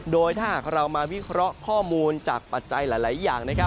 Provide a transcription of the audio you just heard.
โดยถ้าหากเรามาวิเคราะห์ข้อมูลจากปัจจัยหลายอย่าง